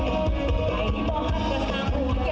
ยั่วจิ้งความคุกค้างโสขอบไม่ยอมหาย่อมมากลงทิ้งใจ